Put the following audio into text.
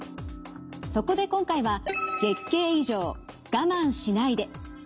そこで今回は「月経異常我慢しないで」。